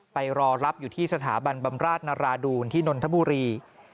ไปรอรับอยู่ที่สถาบันบำราชนราดูนที่นนทบุรี